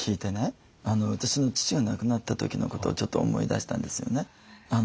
私の父が亡くなった時のことをちょっと思い出したんですよね。